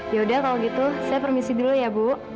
yaudah kalau gitu saya permisi dulu ya bu